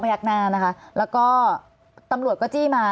ยักหน้านะคะแล้วก็ตำรวจก็จี้มา